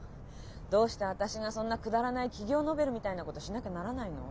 どうして私がそんなくだらない企業ノベルみたいなことをしなきゃならないの？